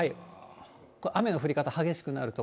これ、雨の降り方、激しくなる所。